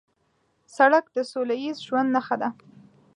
سړک د سولهییز ژوند نښه ده.